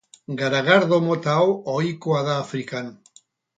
Garagardo mota hau ohikoa da Afrikan.